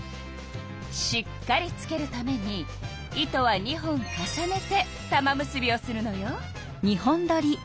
しっかりつけるために糸は２本重ねて玉結びをするのよ。